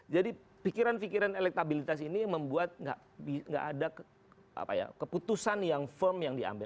jadi pikiran pikiran elektabilitas ini membuat nggak ada keputusan yang firm yang diambil